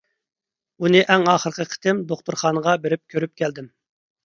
ئۇنى ئەڭ ئاخىرقى قېتىم دوختۇرخانىغا بېرىپ كۆرۈپ كەلدىم.